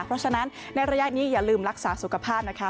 เพราะฉะนั้นในระยะนี้อย่าลืมรักษาสุขภาพนะคะ